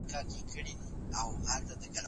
ټولنه بې تقوی زيان ويني.